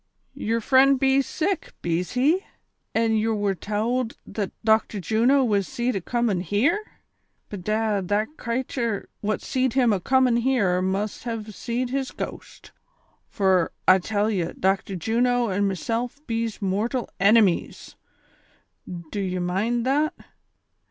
"•Yer frend bees sick, bees he V an' ye wer towld that Doclitor Juno was seed acomin' here V Bedad, the cratur what seed him acomin' here must have seed his gost, fur I tell ye, Dochtor Juno an' meself bees mortal enemies, do ye mind that